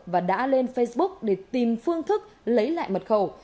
và đã lên facebook để tìm phương thức lấy lại mật khẩu